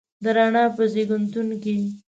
د رڼا په زیږنتون کې